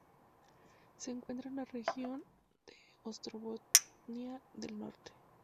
Se encuentra en la región de Ostrobotnia del Norte.